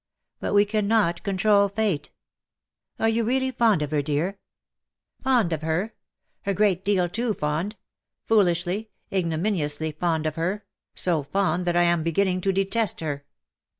But we cannot control fate. Are you really fond of her, dear?" " Fond of her ? A great deal too fond — fool ishly — ignominiously fond of her — so fond that I am beginning to detest her.''